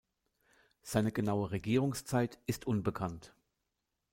Seine genaue Regierungszeit ist unbekannt.